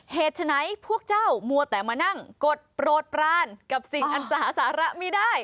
ฉะนั้นพวกเจ้ามัวแต่มานั่งกดโปรดปรานกับสิ่งอันสหาสาระไม่ได้